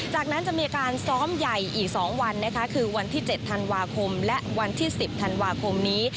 จากนั้นจะมีการซ้อมใหญ่อีก๒วันนะคะคือวันที่๗ธันวาคมและวันที่๑๐ธันวาคมนี้